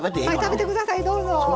食べて下さいどうぞ。